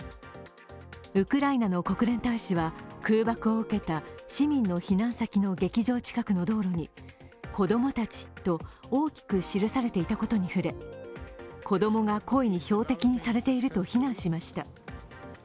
ウクライナの国連大使は空爆を受けた市民の避難先の劇場近くの道路に「子供たち」と大きく記されていたことに触れ、子供が故意に標的にされていると非難しました。